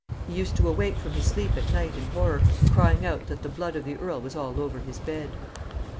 He used to awake from his sleep at night in horror, crying out that the blood of the earl was all over his bed.